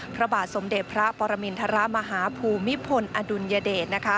พระบาทสมเด็จพระปรมินทรมาฮภูมิพลอดุลยเดช